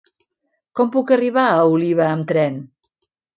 Com puc arribar a Oliva amb tren?